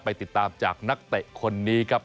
ติดตามจากนักเตะคนนี้ครับ